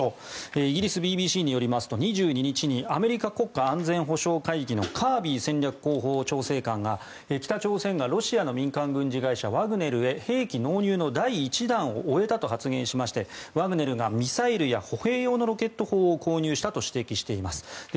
イギリスＢＢＣによりますと２２日にアメリカ国家安全保障会議のカービー戦略広報調整官が北朝鮮がロシアの民間軍事会社ワグネルへ兵器納入の第１弾を終えたと発言しましてワグネルがミサイルや歩兵用のロケット砲を購入したと指摘しています。